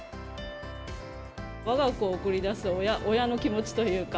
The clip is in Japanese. わが子を送り出す親の気持ちというか。